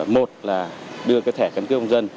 một là đưa cái thẻ căn cấp công dân